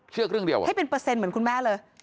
ครึ่งเดียวให้เป็นเปอร์เซ็นต์เหมือนคุณแม่เลย